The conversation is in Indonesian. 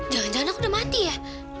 jangan jangan anak udah mati ya